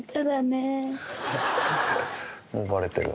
もうバレてる。